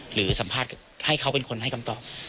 หรือสัมภาษณ์ให้เขาเป็นคนให้คำตอบ